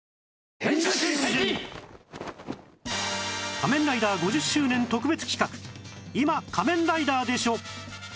『仮面ライダー』５０周年特別企画「今仮面ライダーでしょ！」